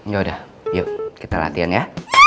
ya udah yuk kita latihan ya